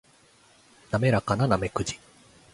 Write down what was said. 滑らかなナメクジ